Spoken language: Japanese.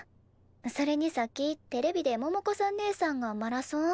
それにさっきテレビで百子さんねえさんがマラソン。